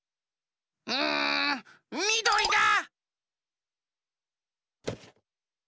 うんみどりだ！